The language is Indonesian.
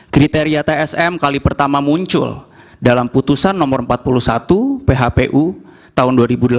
kriteria tsm kali pertama muncul dalam putusan no empat puluh satu phpu tahun dua ribu delapan belas